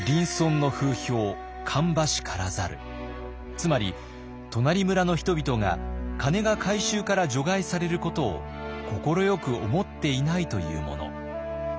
つまり「となり村の人々が鐘が回収から除外されることを快く思っていない」というもの。